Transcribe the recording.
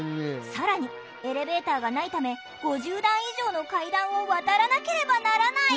更にエレベーターがないため５０段以上の階段を渡らなければならない。